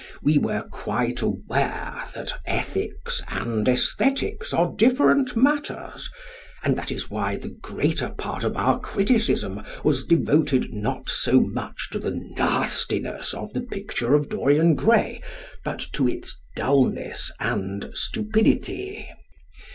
We were quite aware that ethics and æsthetics are different matters, and that is why the greater part of our criticism was devoted not so much to the nastiness of "The Picture of Dorian Gray," but to its dulness and stupidity.